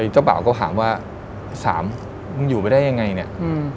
เจ้าบ่าวก็ถามว่าสามมึงอยู่ไปได้ยังไงเนี่ย